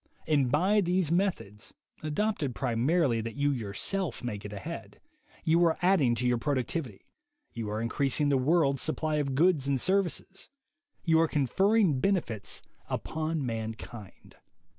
And by these methods, adopted primarily that you yourself may get ahead, you are adding to your productivity; you are increasing the world's supply of goods and serv ices; you are conferring benefits upon mankind.